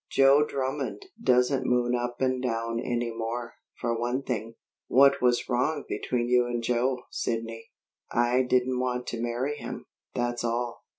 Joe Drummond doesn't moon up and down any more, for one thing. What was wrong between you and Joe, Sidney?" "I didn't want to marry him; that's all."